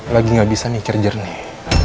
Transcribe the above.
lagi gak bisa mikir jernih